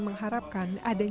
tiga dua satu